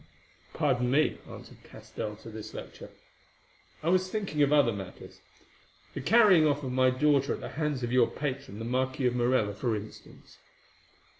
"Pardon me," answered Castell to this lecture. "I was thinking of other matters. The carrying off of my daughter at the hands of your patron, the Marquis of Morella, for instance."